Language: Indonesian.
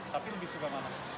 tapi lebih suka mana